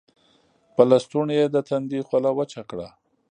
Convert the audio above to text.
پۀ لستوڼي يې د تندي خوله وچه کړه